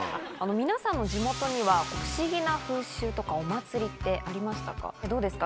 皆さんの地元には不思議な風習とかお祭りってありましたか？